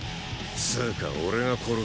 つうか俺が殺すし。